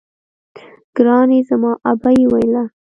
ګراني زما ابۍ ويله